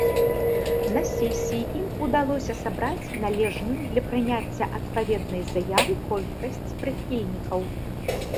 На сесіі ім удалося сабраць належную для прыняцця адпаведнай заявы колькасць прыхільнікаў.